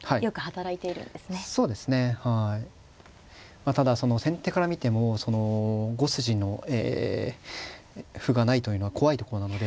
まあただその先手から見てもその５筋の歩がないというのは怖いところなので。